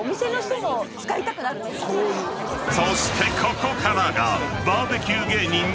［そしてここからが］